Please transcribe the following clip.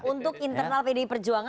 untuk internal pdi perjuangan